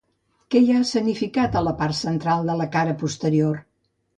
Què hi ha escenificat a la part central de la cara posterior?